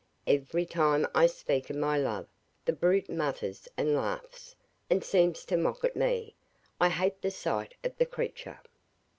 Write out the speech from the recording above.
Every time I speak of my love the brute mutters and laughs, and seems to mock at me. I hate the sight of the creature!